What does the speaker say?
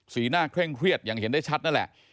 หน้าเคร่งเครียดอย่างเห็นได้ชัดนั่นแหละ